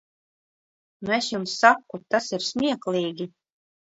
Nu es jums saku, tas ir smieklīgi.